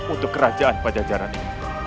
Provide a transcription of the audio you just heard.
untuk kerajaan pada jajaran ini